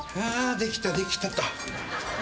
できたできたと。